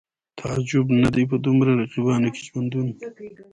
تعجب نه دی په دومره رقیبانو کې ژوندون